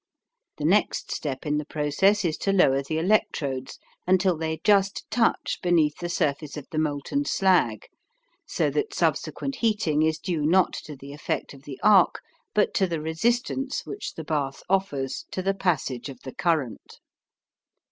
The next step in the process is to lower the electrodes until they just touch beneath the surface of the molten slag so that subsequent heating is due not to the effect of the arc but to the resistance which the bath offers to the passage of the current.